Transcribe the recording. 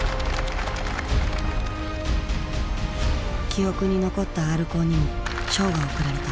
記憶に残ったＲコーにも賞が贈られた。